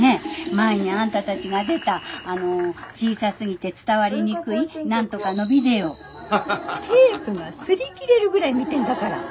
前にあんたたちが出たあの小さすぎて伝わりにくい何とかのビデオテープが擦り切れるぐらい見てんだから。